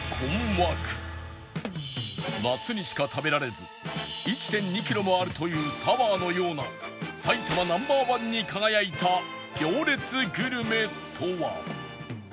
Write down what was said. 夏にしか食べられず １．２ キロもあるというタワーのような埼玉 Ｎｏ．１ に輝いた行列グルメとは？